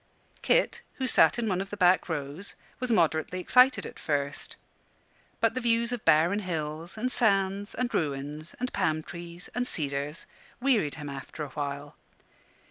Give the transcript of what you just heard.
Kit, who sat in one of the back rows, was moderately excited at first. But the views of barren hills, and sands, and ruins, and palm trees, and cedars, wearied him after a while.